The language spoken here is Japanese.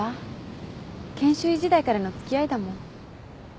研修医時代からのつきあいだもん。